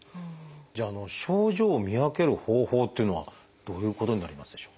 じゃあ症状を見分ける方法というのはどういうことになりますでしょうか？